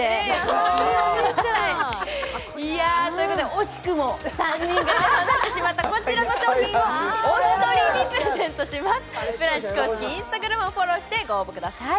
惜しくも３人が手放してしまった、こちらの商品をお一人にプレゼントします。